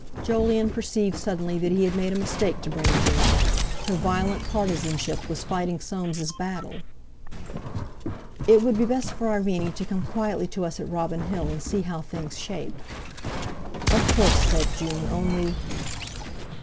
Jolyon perceived suddenly that he had made a mistake to bring June—her violent partizanship was fighting Soames' battle. "It would be best for Irene to come quietly to us at Robin Hill, and see how things shape." "Of course," said June; "only...."